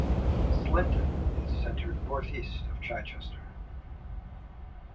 Slindon is centred north-east of Chichester.